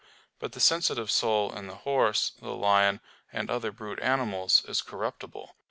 But the sensitive soul in the horse, the lion, and other brute animals, is corruptible.